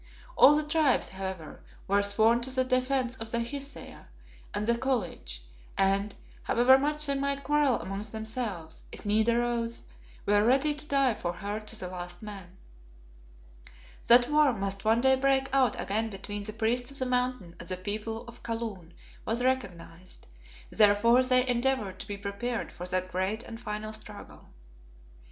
All the Tribes, however, were sworn to the defence of the Hesea and the College, and, however much they might quarrel amongst themselves, if need arose, were ready to die for her to the last man. That war must one day break out again between the priests of the Mountain and the people of Kaloon was recognized; therefore they endeavoured to be prepared for that great and final struggle.